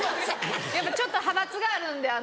ちょっと派閥があるんで。